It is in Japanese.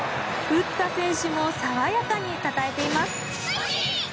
打った選手も爽やかにたたえています。